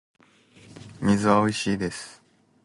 水はおいしいです